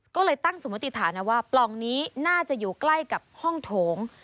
ก็เลยตั้งสมมติฐานนะว่าปล่องนี้น่าจะอยู่ใกล้กับห้องโถง